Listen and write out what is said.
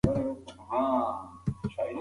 د نجونو ښوونه د ګډون لارې پراخوي.